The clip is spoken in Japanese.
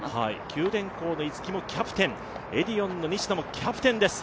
九電工の逸木もキャプテン、エディオンの西田もキャプテンです。